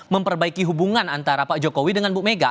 memperbaiki hubungan antara pak jokowi dengan bu mega